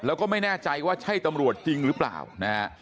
แล้วก็ไม่แน่ใจว่าใช่ตำรวจจริงหรือเปล่านะฮะ